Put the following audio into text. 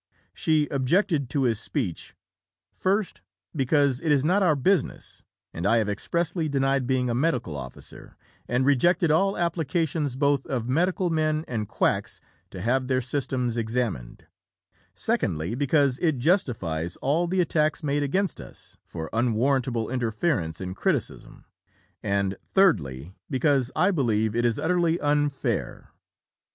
She objected to his speech: "First, because it is not our business, and I have expressly denied being a medical officer, and rejected all applications both of medical men and quacks to have their systems examined; secondly, because it justifies all the attacks made against us for unwarrantable interference and criticism; and, thirdly, because I believe it to be utterly unfair."